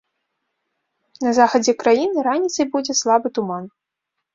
На захадзе краіны раніцай будзе слабы туман.